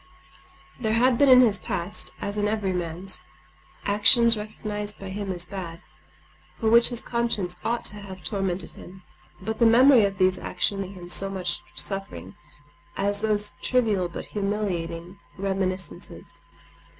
There had been in his past, as in every man's, actions, recognized by him as bad, for which his conscience ought to have tormented him; but the memory of these evil actions was far from causing him so much suffering as those trivial but humiliating reminiscences.